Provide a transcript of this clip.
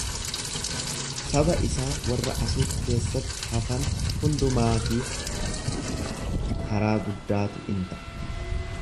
Saba isaa warra Asur keessatti hafan hundumaatiif karaa guddaatu in ta'a.